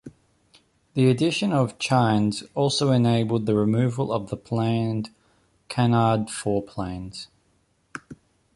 The addition of chines also enabled the removal of the planned canard foreplanes.